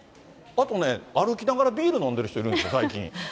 あとね、歩きながらビール飲んでる人いるんですよ、最近。